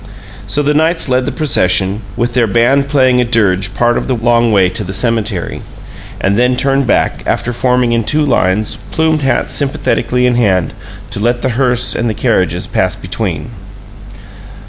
So the Knights led the procession, with their band playing a dirge part of the long way to the cemetery; and then turned back, after forming in two lines, plumed hats sympathetically in hand, to let the hearse and the carriages pass between.